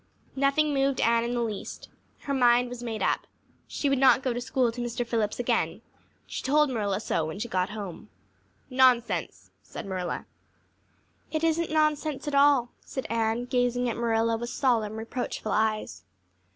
Nothing moved Anne in the least. Her mind was made up. She would not go to school to Mr. Phillips again; she told Marilla so when she got home. "Nonsense," said Marilla. "It isn't nonsense at all," said Anne, gazing at Marilla with solemn, reproachful eyes.